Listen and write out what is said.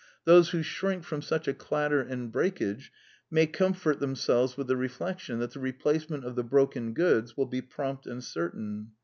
Those who shrink from such a clatter and breakage may comfort themselves with the reflection that the replace ment of the broken goods will be prompt and certain.